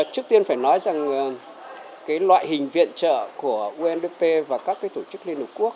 trước tiên phải nói rằng loại hình viện trợ của undp và các tổ chức liên hợp quốc